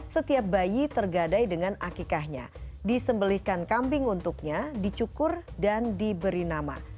setiap bayi tergadai dengan akikahnya disembelihkan kambing untuknya dicukur dan diberi nama